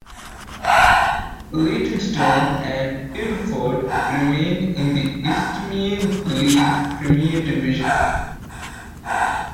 Leytonstone and Ilford remained in the Isthmian League Premier Division.